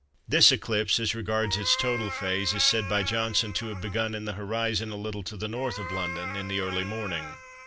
This eclipse, as regards its total phase, is said by Johnston to have begun in the horizon, a little to the N. of London, in the early morning.